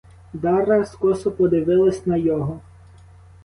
Дара скоса подивилась на його.